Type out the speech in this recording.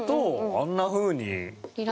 あんなふうに。